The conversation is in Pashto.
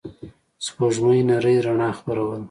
سپوږمۍ نرۍ رڼا خپروله.